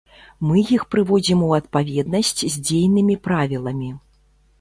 Мы іх прыводзім у адпаведнасць з дзейнымі правіламі.